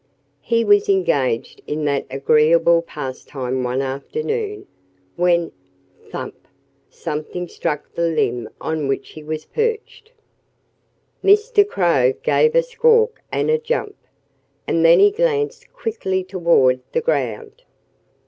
He was engaged in that agreeable pastime one afternoon when thump! something struck the limb on which he was perched. Mr. Crow gave a squawk and a jump. And then he glanced quickly toward the ground.